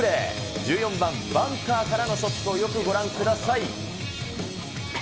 １４番バンカーからのショットをよくご覧ください。